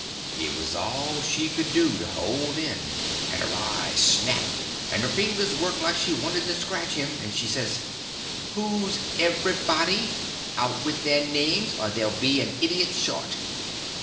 It was all she could do to hold in; and her eyes snapped, and her fingers worked like she wanted to scratch him; and she says: "Who's 'everybody'? Out with their names, or ther'll be an idiot short."